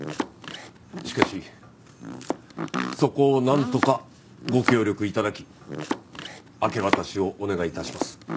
しかしそこをなんとかご協力頂き明け渡しをお願い致します。